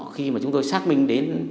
khi mà chúng tôi xác minh